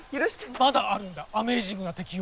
まだあるんだアメージングな適応。